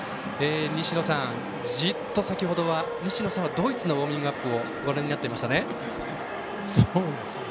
西野さん、じっとドイツのウォーミングアップをご覧になっていましたね。